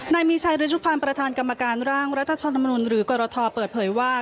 นายมีชัยรุชุพันธ์ประธานกรรมการร่างรัฐธรรมนุนหรือกรทเปิดเผยว่า